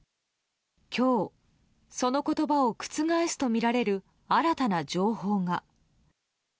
今日、その言葉を覆すとみられる新たな情報が。